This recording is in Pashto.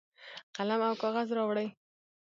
قلم او کاغذ راوړي.